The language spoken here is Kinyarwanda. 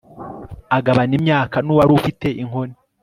agabana imyaka ni uwari ufite inkoni